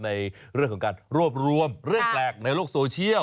ในเรื่องของการรวบรวมเรื่องแปลกในโลกโซเชียล